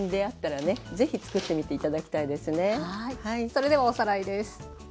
それではおさらいです。